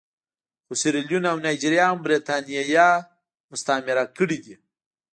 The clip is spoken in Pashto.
خو سیریلیون او نایجیریا هم برېټانیا مستعمره کړي دي.